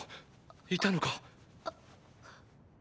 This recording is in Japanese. いたのか！